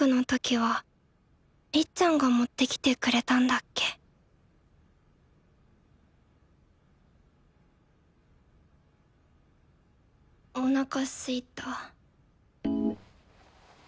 はりっちゃんが持ってきてくれたんだっけおなかすいた。